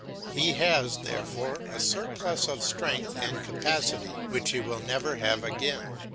He has, therefore, a surplus of strength and capacity which he will never have again.